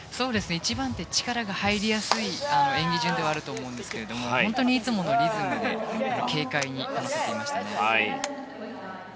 １番手で力が入りやすい演技順ではあると思うんですけど本当にいつものリズムで軽快に合わせていましたね。